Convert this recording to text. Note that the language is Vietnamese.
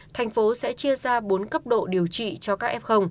thành phố sẽ chia ra bốn cấp độ điều trị cho các f